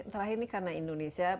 terakhir karena indonesia